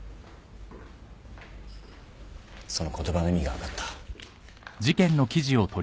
その言葉の意味が分かった。